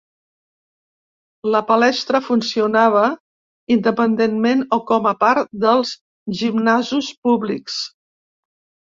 La palestra funcionava independentment o com a part dels gimnasos públics.